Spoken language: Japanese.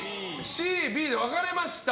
ＣとＢで分かれました。